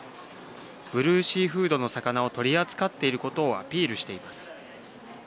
ブルーシーフードの魚を取り扱っていることをアピールしています。